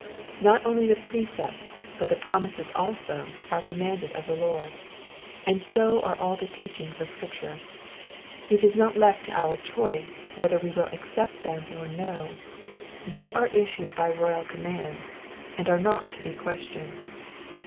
Not only the precepts but the promises also are commanded of the Lord, and so are all the teach ings of Scripture. It is not left to our choice whether we will accept them or no ; they are issued by royal command, and are not to be questioned.